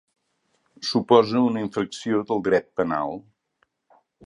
Suposa una infracció del dret penal.